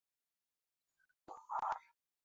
হ্যাঁ, তোমার।